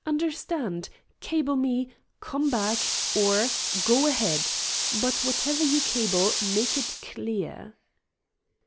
Understand? Cable me, 'Come back' or 'Go ahead.' But whatever you cable, make it CLEAR."